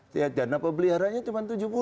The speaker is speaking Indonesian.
dan dana peliharannya cuma tujuh puluh